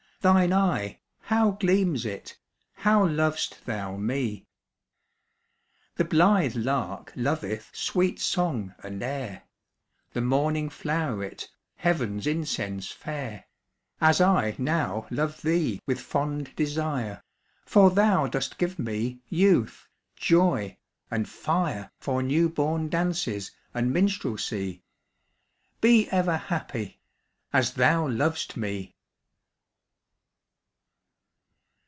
Thine eye, how gleams it! How lov'st thou me! The blithe lark loveth Sweet song and air, The morning flow'ret Heav'n's incense fair, As I now love thee With fond desire, For thou dost give me Youth, joy, and fire, For new born dances And minstrelsy. Be ever happy, As thou lov'st me!